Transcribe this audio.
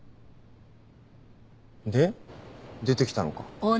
で出て来たのか？